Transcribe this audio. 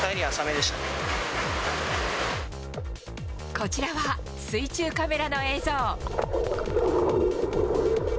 こちらは水中カメラの映像。